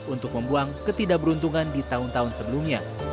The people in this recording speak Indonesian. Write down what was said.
untuk membuang ketidakberuntungan di tahun tahun sebelumnya